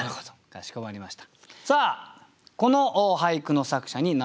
かしこまりました。